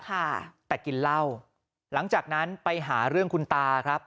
ค่ะแต่กินเหล้าหลังจากนั้นไปหาเรื่องคุณตาครับ